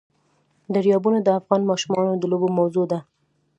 دریابونه د افغان ماشومانو د لوبو موضوع ده.